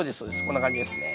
こんな感じですね。